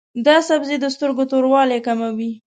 دا سبزی د سترګو توروالی کموي.